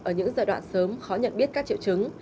ở những giai đoạn sớm khó nhận biết các triệu chứng